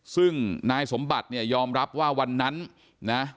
ซึ่งนายสมบัติเนี่ยยอมรับว่าวันนั้นนะ